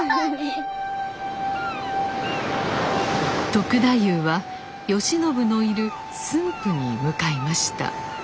篤太夫は慶喜のいる駿府に向かいました。